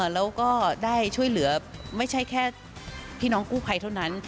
แล้วก็ได้ช่วยเหลือไม่ใช่แค่พี่น้องกู้ภัยเท่านั้น